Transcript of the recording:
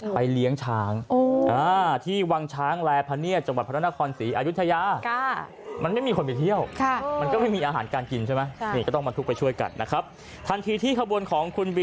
ไปเลี้ยงช้างอออ